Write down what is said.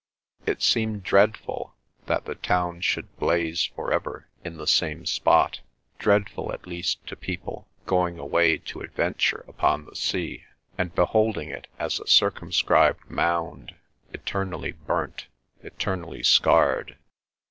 It seemed dreadful that the town should blaze for ever in the same spot; dreadful at least to people going away to adventure upon the sea, and beholding it as a circumscribed mound, eternally burnt, eternally scarred.